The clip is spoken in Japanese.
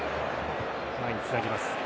前につなぎます。